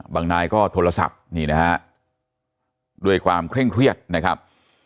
นายก็โทรศัพท์นี่นะฮะด้วยความเคร่งเครียดนะครับ